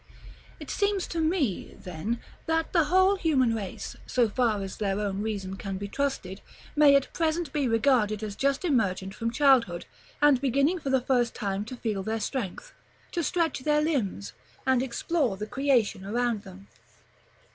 § III. It seems to me, then, that the whole human race, so far as their own reason can be trusted, may at present be regarded as just emergent from childhood; and beginning for the first time to feel their strength, to stretch their limbs, and explore the creation around them.